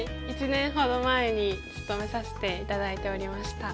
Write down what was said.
１年ほど前に務めさせて頂いておりました。